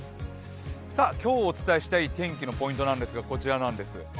今日お伝えしたい天気のポイントなんですが、こちらなんです。